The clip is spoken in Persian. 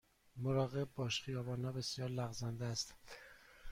مراقب باش، خیابان ها بسیار لغزنده هستند.